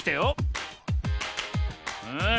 うん。